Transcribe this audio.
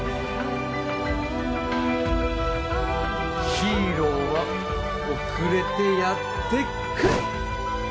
ヒーローは遅れてやって来る！